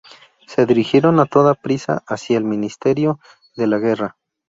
Se dirigieron a toda prisa hacia el Ministerio de la Guerra.